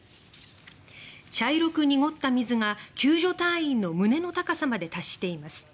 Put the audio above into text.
茶色く濁った水が救助隊員の胸の高さまで達しています。